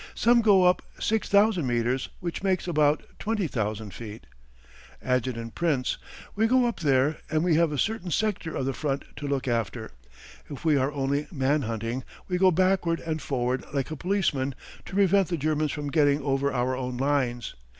Some go up 6000 metres, which makes about 20,000 feet. Adjt. Prince: We go up there, and we have a certain sector of the front to look after. If we are only man hunting, we go backward and forward like a policeman to prevent the Germans from getting over our own lines.